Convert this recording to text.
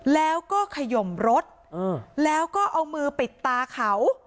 แล้วก็ขยมรถแล้วก็เอามือปิดตาเขา